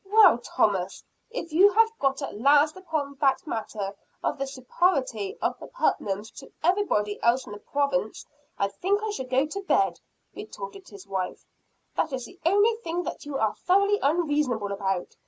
"Well, Thomas, if you have got at last upon that matter of the superiority of the Putnams to everybody else in the Province, I think I shall go to bed," retorted his wife. "That is the only thing that you are thoroughly unreasonable about.